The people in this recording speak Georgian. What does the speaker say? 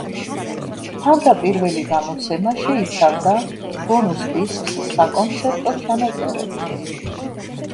თავდაპირველი გამოცემა შეიცავდა ბონუს დისკს საკონცერტო ჩანაწერებით.